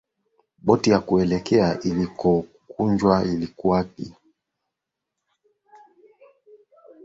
boti ya kuokolea iliyokunjwa ilikuwa ikielea chini